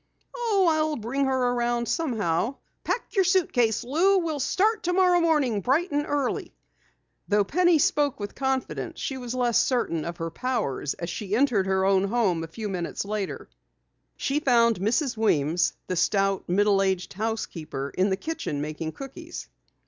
"Oh, I'll bring her around somehow. Pack your suitcase, Lou. We'll start tomorrow morning bright and early." Though Penny spoke with confidence, she was less certain of her powers as she entered her own home a few minutes later. She found Mrs. Weems, the stout, middle aged housekeeper in the kitchen making cookies.